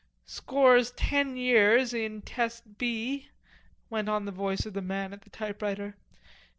"Scores ten years... in test B," went on the voice of the man at the typewriter.